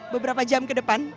beberapa jam kedepan